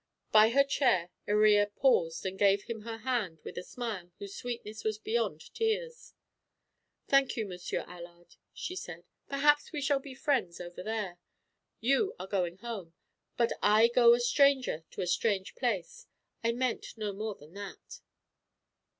By her chair Iría paused and gave him her hand with a smile whose sweetness was beyond tears. "Thank you, Monsieur Allard," she said. "Perhaps we shall still be friends over there. You are going home, but I go a stranger to a strange place; I meant no more than that."